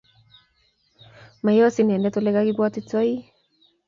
Mayoos inendet olegagibwatitoi